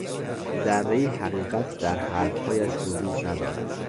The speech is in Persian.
ذرهای حقیقت در حرفهایش وجود ندارد.